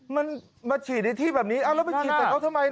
มันมาฉีดในที่แบบนี้เอาแล้วไปฉีดใส่เขาทำไม